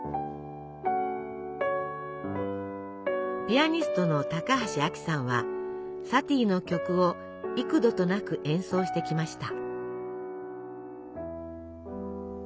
ピアニストの高橋アキさんはサティの曲を幾度となく演奏してきました。